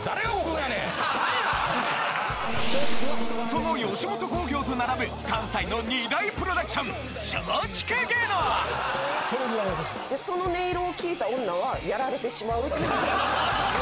その吉本興業と並ぶ関西の２大プロダクションその音色を聞いた女はやられてしまう。